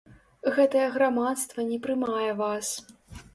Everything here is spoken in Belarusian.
Гэтае грамадства не прымае вас.